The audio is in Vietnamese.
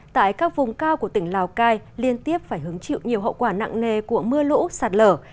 tại các vùng cao của tỉnh lào cai liên tiếp phải hứng chịu nhiều hậu quả nặng nề của mưa lũ sạt lở